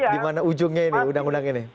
di mana ujungnya ini undang undang ini